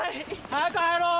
早く入ろう！